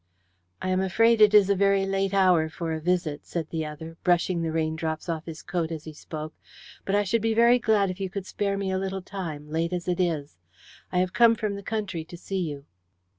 "I am afraid it is a very late hour for a visit," said the other, brushing the rain drops off his coat as he spoke, "but I should be very glad if you could spare me a little time, late as it is. I have come from the country to see you."